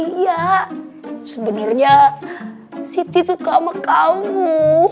iya sebenarnya siti suka sama kamu